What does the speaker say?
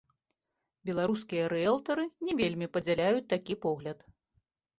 Беларускія рыэлтары не вельмі падзяляюць такі погляд.